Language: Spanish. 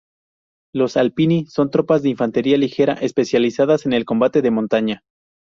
Los Alpini son tropas de infantería ligera, especializadas en el combate de montaña.